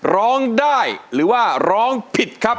ร้องได้หรือว่าร้องผิดครับ